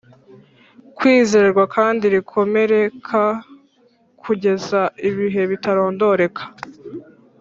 kwizerwa kandi rikomere k kugeza ibihe bitarondoreka